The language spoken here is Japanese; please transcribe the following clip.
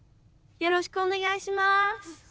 よろしくお願いします。